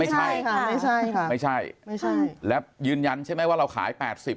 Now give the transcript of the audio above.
ไม่ใช่ค่ะไม่ใช่และยืนยันใช่ไหมว่าเราขายแปดสิบ